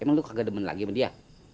emang lu kagak demen lagi sama dia